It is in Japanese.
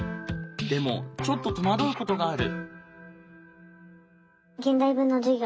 でもちょっと戸惑うことがある。